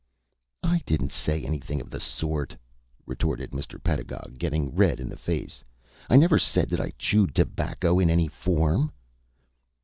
"I didn't say anything of the sort," retorted Mr. Pedagog, getting red in the face. "I never said that I chewed tobacco in any form."